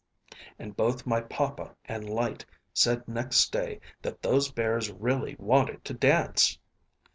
And both my papa and Lyte said next day that those bears really wanted to dance.